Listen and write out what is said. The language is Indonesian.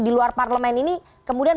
di luar parlemen ini kemudian